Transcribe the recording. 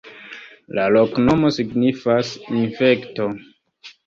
La loknomo signifas: infekto.